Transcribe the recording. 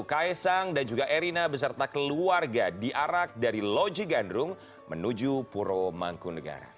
kae sang dan juga erina beserta keluarga diarak dari loji gandrung menuju purwomangkunikara